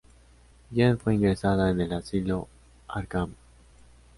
Jean fue ingresada en el Asilo Arkham.